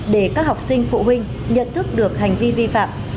để các học sinh phụ huynh nhận thức được hành vi vi phạm